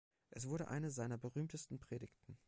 Es wurde eine seiner berühmtesten Predigten.